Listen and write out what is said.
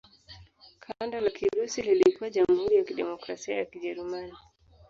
Kanda la Kirusi lilikuwa Jamhuri ya Kidemokrasia ya Kijerumani.